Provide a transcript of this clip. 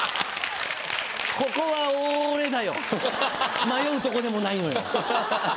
ここはお俺だよ迷うとこでもないのよ。